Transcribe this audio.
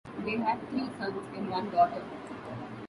They had three sons and one daughter.